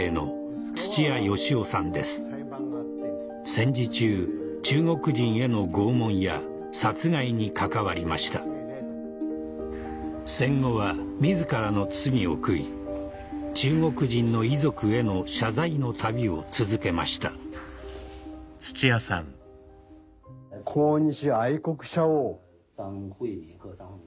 戦時中中国人への拷問や殺害に関わりました戦後は自らの罪を悔い中国人の遺族への謝罪の旅を続けましたそれで。